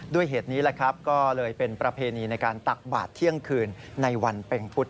ด้วยเหตุนี้ก็เลยเป็นประเพณีในการตักบาตเที่ยงคืนในวันเป็งปุฏ